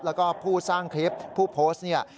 แล้วก็ผู้สร้างคลิปผู้โพสต์เนี่ย